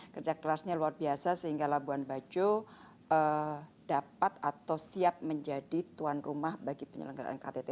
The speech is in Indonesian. kerja kerasnya luar biasa sehingga labuan bajo dapat atau siap menjadi tuan rumah bagi penyelenggaraan ktt